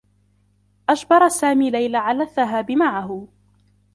أجبر سامي ليلى على الذّهاب معه.